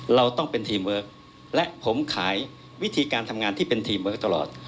เราต้องเป็นทีมเวิร์คและผมขายวิธีการทำงานที่เป็นทีมเวิร์คตลอด